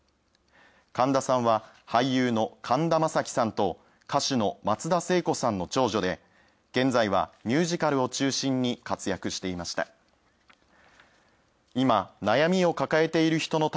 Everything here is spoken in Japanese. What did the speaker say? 神田さんは俳優の神田正輝さんと歌手の松田聖子さんの長女で、現在はミュージカルを中心に活躍していました。